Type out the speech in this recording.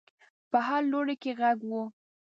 په هر لوري کې غږ و.